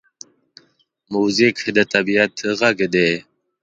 موزیک د طبعیت غږ دی.